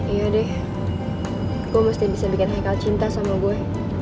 iya deh aku mesti bisa bikin hekal cinta sama gue